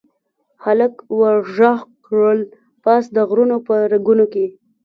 هلک ور ږغ کړل، پاس د غرونو په رګونو کې